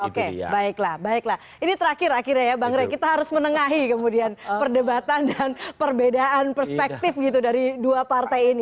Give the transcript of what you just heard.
oke baiklah baiklah ini terakhir akhirnya ya bang rey kita harus menengahi kemudian perdebatan dan perbedaan perspektif gitu dari dua partai ini